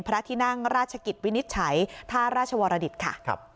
พระที่นั่งราชกิจวินิจฉัยท่าราชวรดิตค่ะ